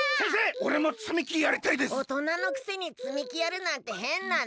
おとなのくせにつみきやるなんてへんなの。